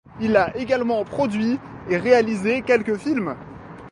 Il a également produit et réalisé quelques films.